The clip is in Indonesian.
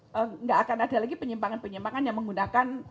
tidak akan ada lagi penyimpangan penyimpangan yang menggunakan